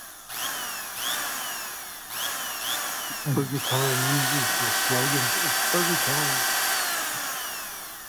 Burger Time uses the slogans It's Burgertime!